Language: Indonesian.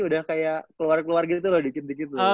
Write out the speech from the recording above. udah kayak keluar keluar gitu loh dikit dikit loh